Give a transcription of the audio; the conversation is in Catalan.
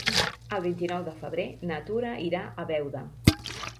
El vint-i-nou de febrer na Tura irà a Beuda.